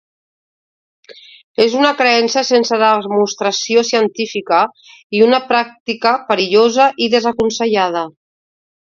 És una creença sense demostració científica i una pràctica perillosa i desaconsellada.